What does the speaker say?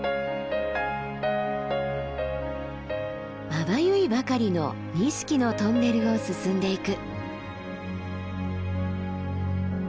まばゆいばかりの錦のトンネルを進んでいく。